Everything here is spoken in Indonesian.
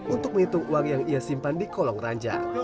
untuk menghitung uang yang ia simpan di kolong ranja